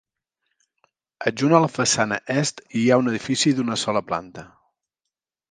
Adjunt a la façana est, hi ha un edifici d'una sola planta.